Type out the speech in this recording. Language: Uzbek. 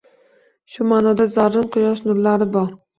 Shu maʼnoda, zarrin quyosh nurlari bor